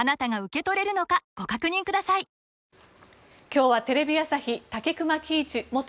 今日はテレビ朝日武隈喜一元